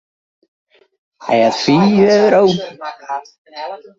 Hy hat fiif euro betelle foar it skilderij op in rommelmerk.